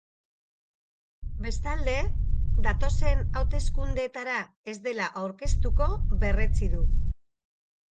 Bestalde, datozen hauteskundeetara ez dela aurkeztuko berretsi du.